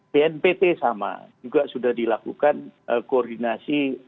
bnpt sama juga sudah dilakukan koordinasi